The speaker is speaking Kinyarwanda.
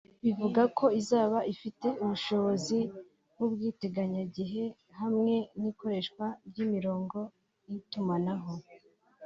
bivuga ko izaba ifite ubushobozi nk’ubw’iteganyagihe hamwe n’ikoreshwa ry’imirongo y’itumanaho